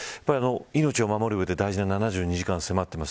命を守る上で大事な７２時間、迫っています。